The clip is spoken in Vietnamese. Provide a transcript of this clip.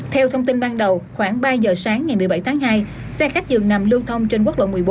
theo thông tin ban đầu khoảng ba giờ sáng ngày một mươi bảy tháng hai xe khách dường nằm lưu thông trên quốc lộ một mươi bốn